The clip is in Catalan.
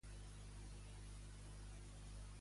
Segons el noi, el sol d'allà és igual que a altres llocs?